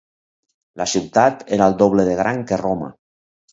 La ciutat era el doble de gran que Roma.